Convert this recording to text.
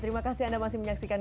terima kasih anda masih menyaksikan